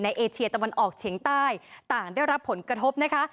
เอเชียตะวันออกเฉียงใต้ต่างได้รับผลกระทบนะคะ